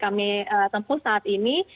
kami tempuh saat ini